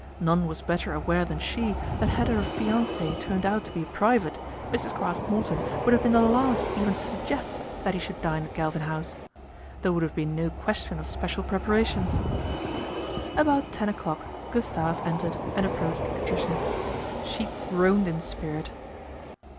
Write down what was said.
None waj >etter aware than she that had her fiance* turned ut to be a private, Mrs. Craske Morton would lave been the last even to suggest that he should ine at Galvin House. There would have been no question of special preparations. About ten o'clock Gustave entered and ap >roached Patricia. She groaned in spirit.